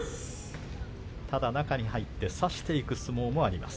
ただ中に入って差していく相撲もあります。